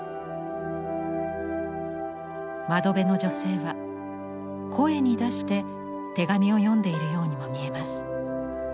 窓辺の女性は声に出して手紙を読んでいるようにも見えます。